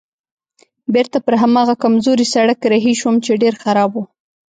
بېرته پر هماغه کمزوري سړک رهي شوم چې ډېر خراب و.